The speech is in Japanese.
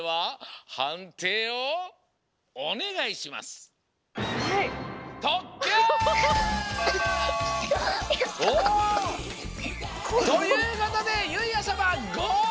お！ということでゆいあさまゴール！